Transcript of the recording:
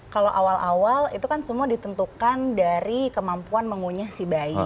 kalau awal awal itu kan semua ditentukan dari kemampuan mengunyah si bayi